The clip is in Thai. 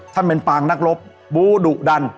ท่านเป็นปนักรบบู๊ดุดัน